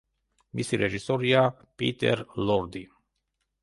მისი რეჟისორია პიტერ ლორდი.